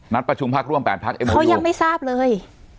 นัดประชุมภักดิ์ร่วมแปดพักเขายังไม่ทราบเลย